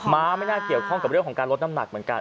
้าไม่น่าเกี่ยวข้องกับเรื่องของการลดน้ำหนักเหมือนกัน